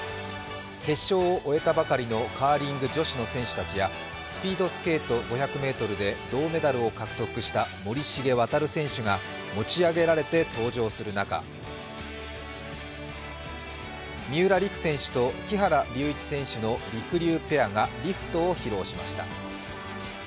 決勝を終えたばかりのカーリング女子の選手たちやスピードスケート５００ｍで銅メダルを獲得した森重航選手が持ち上げられて登場する中三浦璃来選手と木原龍一選手のりくりゅうペアがリフトを披露しました。